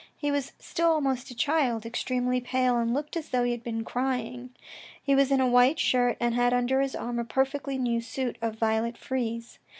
He was still almost a child, extremely pale, and looked as though he had been crying. He was in a white shirt and had under his arm a perfectly new suit of violet frieze.